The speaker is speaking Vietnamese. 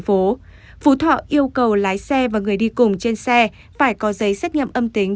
phố phú thọ yêu cầu lái xe và người đi cùng trên xe phải có giấy xét nghiệm âm tính